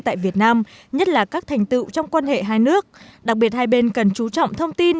tại việt nam nhất là các thành tựu trong quan hệ hai nước đặc biệt hai bên cần chú trọng thông tin